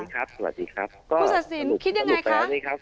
คุณสาศน์คิดยังไงคะ